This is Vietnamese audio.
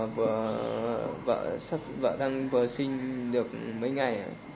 bởi vì vợ đang vừa sinh được mấy ngày